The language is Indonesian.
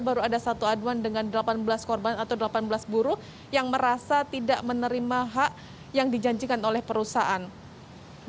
baru ada satu aduan dengan delapan belas korban atau delapan belas buruh yang merasa tidak menerima hak yang dijanjikan oleh perusahaan